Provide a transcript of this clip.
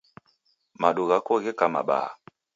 Madu ghako gheka mabaha